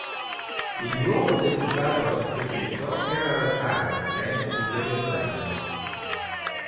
Il luogo deputato al sacrificio era l'altare del tempio di Gerusalemme.